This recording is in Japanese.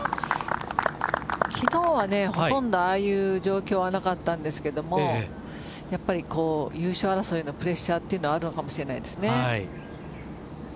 昨日はほとんどああいう状況はなかったんですけれども優勝争いのプレッシャーはあるのかもしれないです。